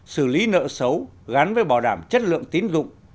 xử lý nợ xấu gắn với bảo đảm chất lượng tín dụng